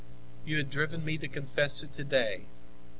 You have driven me to confess it today.